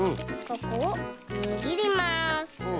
ここをにぎります。